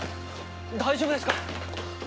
大丈夫ですか！？